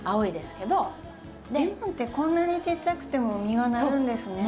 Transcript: レモンってこんなにちっちゃくても実がなるんですね。